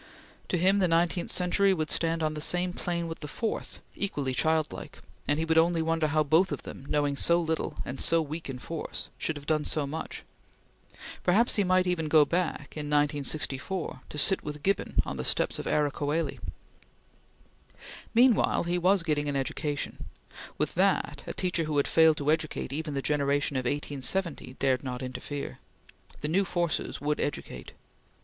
To him the nineteenth century would stand on the same plane with the fourth equally childlike and he would only wonder how both of them, knowing so little, and so weak in force, should have done so much. Perhaps even he might go back, in 1964, to sit with Gibbon on the steps of Ara Coeli. Meanwhile he was getting education. With that, a teacher who had failed to educate even the generation of 1870, dared not interfere. The new forces would educate.